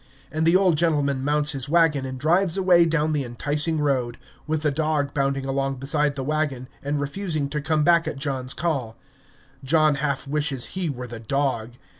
And the old gentleman mounts his wagon and drives away down the enticing road, with the dog bounding along beside the wagon, and refusing to come back at John's call. John half wishes he were the dog.